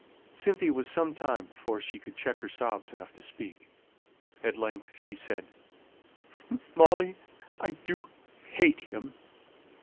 Cynthia was some time before she could check her sobs enough to speak. At length she said, "Molly, I do hate him!"